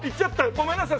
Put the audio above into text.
ごめんなさい。